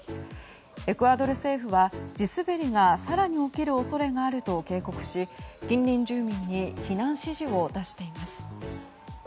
エクアドル政府は、地滑りが更に起きる恐れがあると警告し近隣住民に避難指示を出しています。